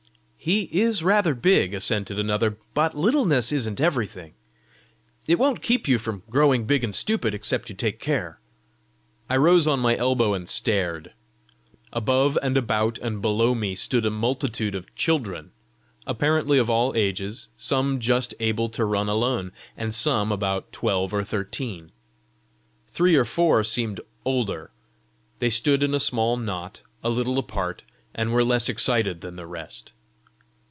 "He IS rather big," assented another, "but littleness isn't everything! It won't keep you from growing big and stupid except you take care!" I rose on my elbow and stared. Above and about and below me stood a multitude of children, apparently of all ages, some just able to run alone, and some about twelve or thirteen. Three or four seemed older. They stood in a small knot, a little apart, and were less excited than the rest.